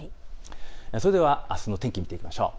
それではあすの天気を見ていきましょう。